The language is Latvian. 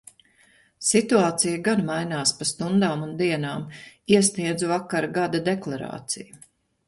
Situācija gan mainās pa stundām un dienām. Iesniedzu vakar gada deklarāciju.